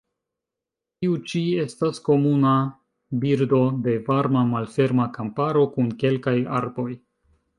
Tiu ĉi estas komuna birdo de varma malferma kamparo kun kelkaj arboj.